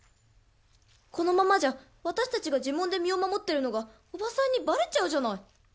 このままじゃ私たちが呪文で身を守ってるのがおばさんにバレちゃうじゃない！